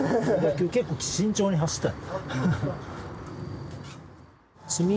今日結構慎重に走った。